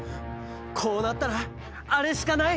こうなったらあれしかない！